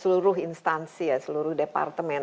seluruh instansi ya seluruh departemen